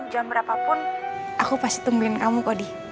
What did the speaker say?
jangan berapa pun aku pasti tungguin kamu di